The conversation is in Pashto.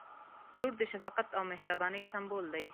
• لور د شفقت او مهربانۍ سمبول دی.